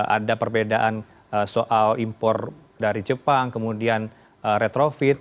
ada perbedaan soal impor dari jepang kemudian retrofit